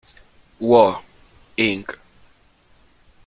War, Inc.